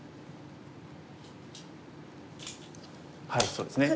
そうですね。